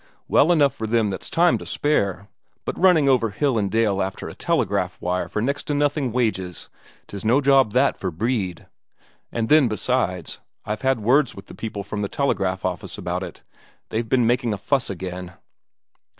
Well enough for them that's time to spare. But running over hill and dale after a telegraph wire for next to nothing wages, 'tis no job that for Brede. And then, besides, I've had words with the people from the telegraph office about it they've been making a fuss again."